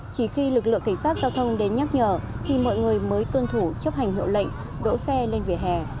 chỉ khi lực lượng cảnh sát giao thông đến nhắc nhở thì mọi người mới tuân thủ chấp hành hiệu lệnh đỗ xe lên vỉa hè